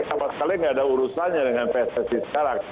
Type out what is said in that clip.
sama setara putusannya esko itu sama